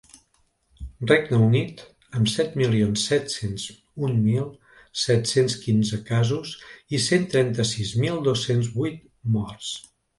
Regne Unit, amb set milions set-cents un mil set-cents quinze casos i cent trenta-sis mil dos-cents vuit morts.